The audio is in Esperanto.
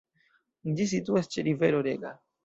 Ĝi situas ĉe rivero Rega.